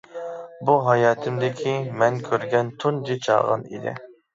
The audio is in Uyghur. بۇ ھاياتىمدىكى مەن كۆرگەن تۇنجى چاغان ئىدى.